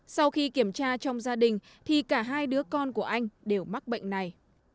sau khi kiểm tra trong gia đình thì cả hai đứa con của anh đều mắc bệnh này